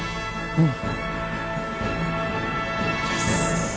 うん。